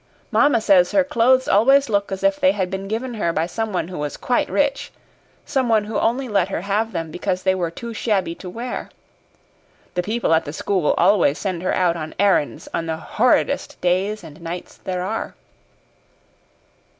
Mamma says her clothes always look as if they had been given her by someone who was quite rich someone who only let her have them because they were too shabby to wear. The people at the school always send her out on errands on the horridest days and nights there are."